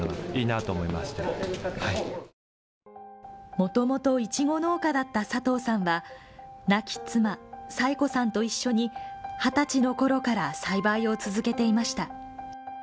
もともといちご農家だった佐藤さんは、亡き妻・才子さんと一緒に二十歳のころから栽培を続けていました。